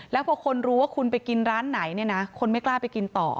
แล้วพอคนรู้ว่าคุณไปกินร้านไหนเนี่ยนะคนไม่กล้าไปกินต่อ